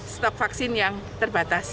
stok vaksin yang terbatas